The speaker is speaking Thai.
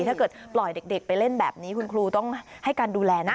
ถ้าเกิดปล่อยเด็กไปเล่นแบบนี้คุณครูต้องให้การดูแลนะ